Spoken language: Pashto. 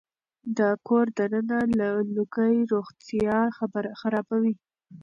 د کور دننه لوګي روغتيا خرابوي.